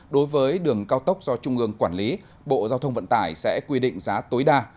đối với đường cao tốc do trung ương quản lý bộ giao thông vận tải sẽ quy định giá tối đa